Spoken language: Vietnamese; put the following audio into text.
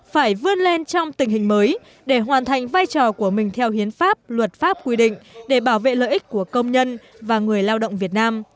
phải vươn lên trong tình hình mới để hoàn thành vai trò của mình theo hiến pháp luật pháp quy định để bảo vệ lợi ích của công nhân và người lao động việt nam